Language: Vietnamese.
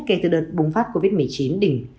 kể từ đợt bùng phát covid một mươi chín đỉnh